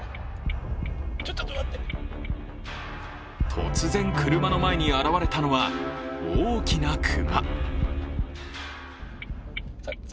突然、車の前に現れたのは大きな熊。